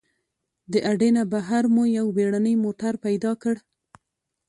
د اډې نه بهر مو یو بېړنی موټر پیدا کړ.